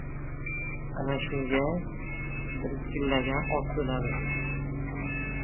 Ana shunda dirkillagan ot bo‘ladi!